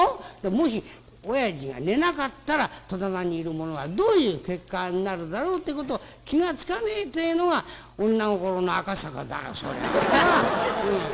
もしおやじが寝なかったら戸棚にいる者はどういう結果になるだろうってことを気が付かねえってえのが女心の赤坂だそれは。なっ」。